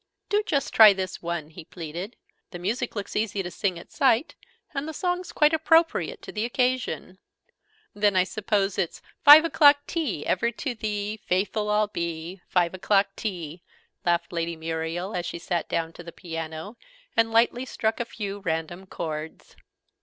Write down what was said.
"Do just try this one!" he pleaded. "The music looks easy to sing at sight, and the song's quite appropriate to the occasion." "Then I suppose it's 'Five o'clock tea! Ever to thee Faithful I'll be, Five o'clock tea!"' laughed Lady Muriel, as she sat down to the piano, and lightly struck a few random chords.